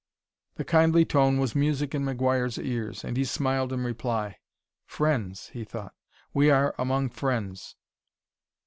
The kindly tone was music in McGuire's ears, and he smiled in reply. "Friends!" he thought. "We are among friends."